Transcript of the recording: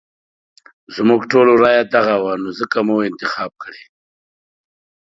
زموږ ټولو رايه ددغه وه نو ځکه مو انتخاب کړی.